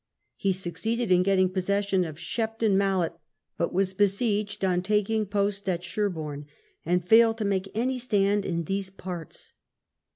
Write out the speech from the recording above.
He succeeded in getting pos session of Shepton Mallet, but was besieged on taking post at Sherborne, and failed to make any stand in these parts.